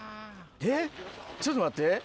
ちょっと待って。